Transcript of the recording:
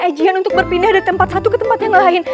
ajian untuk berpindah dari tempat satu ke tempat yang lain